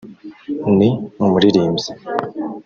Ni umuririmbyi